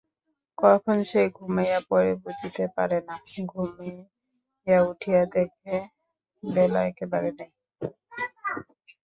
কখন সে ঘুমাইয়া পড়ে বুঝিতে পারে না, ঘুমাইয়া উঠিয়া দেখে বেলা একেবারে নাই।